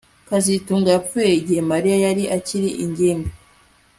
kazitunga yapfuye igihe Mariya yari akiri ingimbi